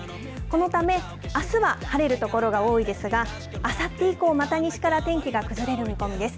このため、あすは晴れる所が多いですが、あさって以降、また西から天気が崩れる見込みです。